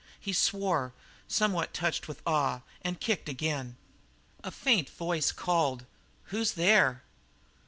He swore, somewhat touched with awe, and kicked again. A faint voice called: "Who's there?"